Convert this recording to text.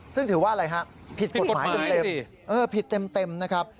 ซึ่งถือว่าอะไรฮะผิดกฎหมายเต็มผิดเต็มนะครับ